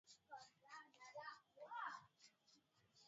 hata nao wazikabidhi heshima zao.